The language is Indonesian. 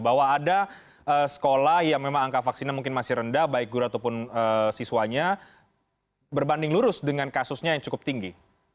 bahwa ada sekolah yang memang angka vaksinnya mungkin masih rendah baik guru ataupun siswanya berbanding lurus dengan kasusnya yang cukup tinggi